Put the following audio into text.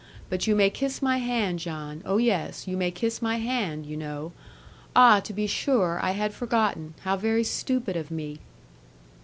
But you may kiss my hand, John; oh, yes, you may kiss my hand, you know. Ah to be sure! I had forgotten; how very stupid of me!'